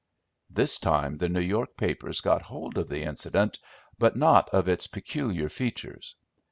This time the New York papers got hold of the incident, but not of its peculiar features.